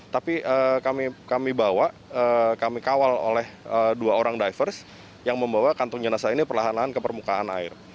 tapi kami bawa kami kawal oleh dua orang divers yang membawa kantong jenazah ini perlahan lahan ke permukaan air